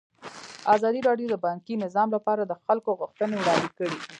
ازادي راډیو د بانکي نظام لپاره د خلکو غوښتنې وړاندې کړي.